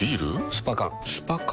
スパ缶スパ缶？